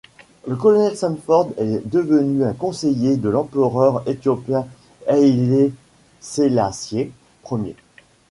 Le Colonel Sandford est devenu un conseiller de l'empereur éthiopien Haïlé Sélassié Ier.